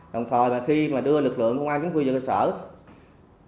đồng thời khi đưa lực lượng công an giữ ổn định tình hình an ninh trả tự trên địa bàn